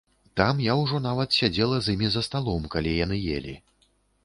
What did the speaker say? Там я ўжо нават сядзела з імі за сталом, калі яны елі.